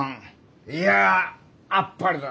いやあっぱれだ！